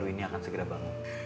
arum dalu ini akan segera bangun